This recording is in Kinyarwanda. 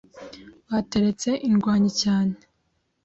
Bateretse indwanyi cyane